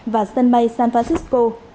và sân bay san francisco